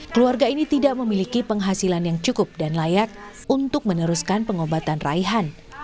keluarga ini tidak memiliki penghasilan yang cukup dan layak untuk meneruskan pengobatan raihan